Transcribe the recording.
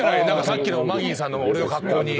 さっきのマギーさんの俺の格好に。